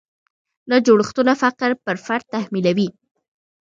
دا جوړښتونه فقر پر فرد تحمیلوي.